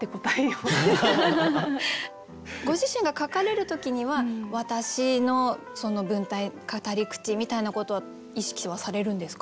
ご自身が書かれる時には私の文体語り口みたいなことは意識はされるんですか？